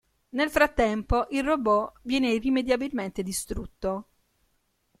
Nel frattempo il robot viene irrimediabilmente distrutto.